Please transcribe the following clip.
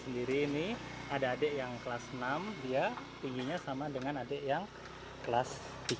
kita bisa lihat sendiri ini ada adik yang kelas enam dia tingginya sama dengan adik yang kelas tiga